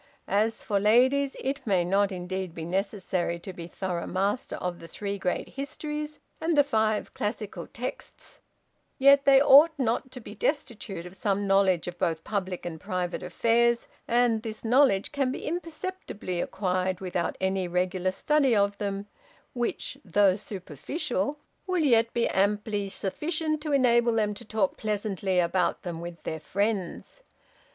As for ladies, it may not, indeed, be necessary to be thorough master of the three great histories, and the five classical texts; yet they ought not to be destitute of some knowledge of both public and private affairs, and this knowledge can be imperceptibly acquired without any regular study of them, which, though superficial, will yet be amply sufficient to enable them to talk pleasantly about them with their friends.